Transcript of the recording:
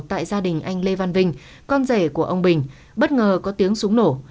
tại gia đình anh lê văn vinh con rể của ông bình bất ngờ có tiếng súng nổ